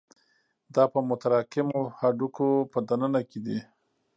دا په متراکمو هډوکو په دننه کې دي.